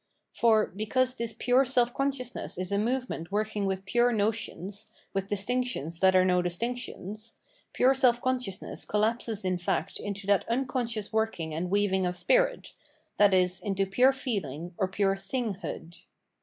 For, because this pure self consciousness is a movement workmg with pure notions, with distinctions that are no distinctions, pure self consciousness col lapses in fact into that unconscious working and weaving of spirit, i.e. into pure feeling, or pure thing hood.